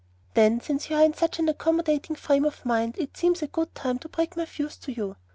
"Then, since you are in such an accommodating frame of mind, it seems a good time to break my views to you.